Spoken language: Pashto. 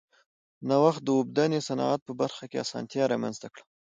نوښت د اوبدنې صنعت په برخه کې اسانتیا رامنځته کړه.